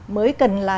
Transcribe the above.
mới cần là